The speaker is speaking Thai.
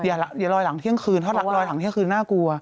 อย่าลอยหลังเที่ยงคืนเพราะหลักลอยหลังเที่ยงคืนน่ากลัว